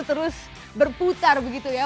terus berputar begitu ya